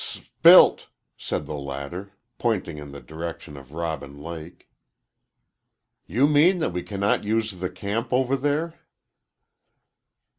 "Sp'ilt," said the latter, pointing in the direction of Robin Lake. "You mean that we cannot use the camp over there?"